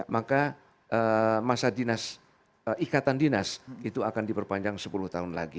maka masa ikatan dinas itu akan diperpanjang sepuluh tahun lagi